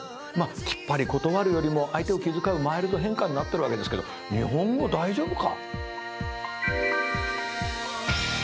きっぱり断るよりも相手を気遣うマイルド変換になってるわけですけど日本語大丈夫か？